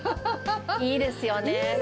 いいですね。